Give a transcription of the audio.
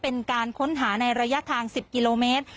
เป็นการค้นหาในระยะทาง๑๐กิโลเมตร